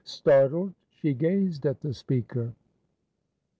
Startled, she gazed at the speaker.